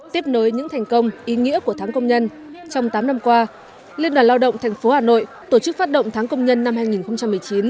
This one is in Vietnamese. tiếp nối những thành công ý nghĩa của tháng công nhân trong tám năm qua liên đoàn lao động tp hà nội tổ chức phát động tháng công nhân năm hai nghìn một mươi chín